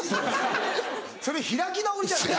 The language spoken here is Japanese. それ開き直りじゃない？